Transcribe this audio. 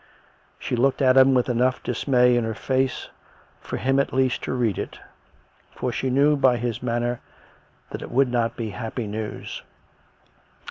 She looked at him with enough dismay in her face for him at least to read it; for she knew by his manner that it would not be happy news.